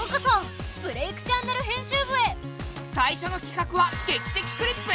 最初のきかくは「劇的クリップ」！